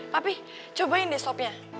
papi cobain deh sopnya